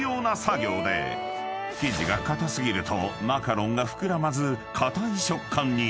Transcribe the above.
［生地が硬過ぎるとマカロンが膨らまず硬い食感に］